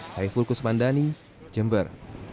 saya fulkus mandani jember